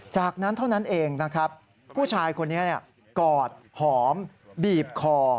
จากนั้นเท่านั้นเองนะครับผู้ชายคนนี้กอดหอมบีบคอ